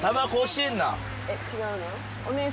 えっ違うの？